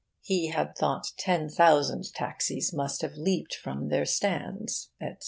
He had thought ten thousand taxis must have leaped from their stands, etc.